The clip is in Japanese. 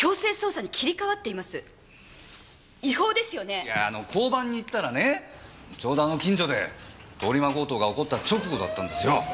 あのいや交番に行ったらねちょうど近所で通り魔強盗が起こった直後だったんですよ！